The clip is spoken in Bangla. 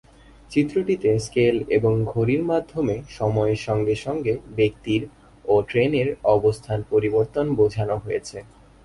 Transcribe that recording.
চিত্রটিতে স্কেল এবং ঘড়ির মাধ্যমে সময়ের সঙ্গে সঙ্গে ব্যক্তির ও ট্রেনের অবস্থান পরিবর্তন বোঝানো হয়েছে।